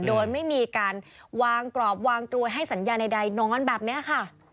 โดยไม่มีการวางกรอบวางกลวยให้สัญญาใดนอนแบบนี้ค่ะ